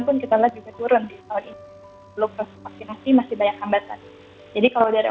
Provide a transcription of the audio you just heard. jadi kalau dari observasi kami